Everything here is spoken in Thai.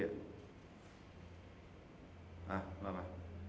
เยอะนะ